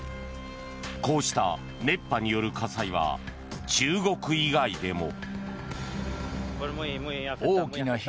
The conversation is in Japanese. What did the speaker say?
こうした熱波による火災は中国以外でも。